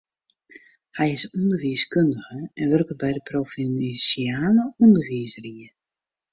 Hy is ûnderwiiskundige en wurket by de provinsjale ûnderwiisrie.